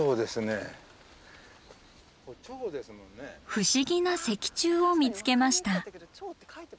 不思議な石柱を見つけました。